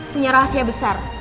punya rahasia besar